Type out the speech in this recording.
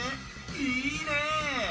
いいね！